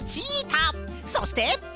そして！